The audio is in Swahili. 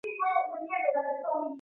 na miamba kwa kamba na mikono Baada